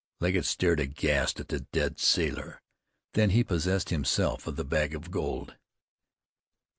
Legget stared aghast at the dead sailor; then he possessed himself of the bag of gold.